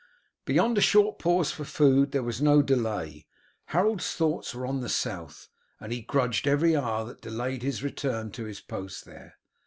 Beyond a short pause for food there was no delay. Harold's thoughts were on the South, and he grudged every hour that delayed his return to his post there.